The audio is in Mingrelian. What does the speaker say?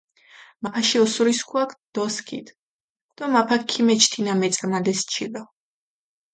მაფაში ოსურისქუაქ დოსქიდჷ დო მაფაქ ქიმეჩჷ თინა მეწამალეს ჩილო.